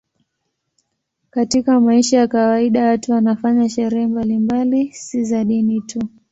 Katika maisha ya kawaida watu wanafanya sherehe mbalimbali, si za dini tu.